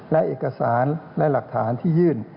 และเอกสารและหลักฐานที่ยื่น